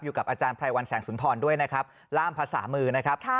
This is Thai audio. กับอาจารย์ไพรวัลแสงสุนทรด้วยนะครับล่ามภาษามือนะครับ